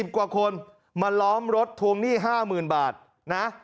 กว่าคนมาล้อมรถทวงหนี้๕๐๐๐บาทนะ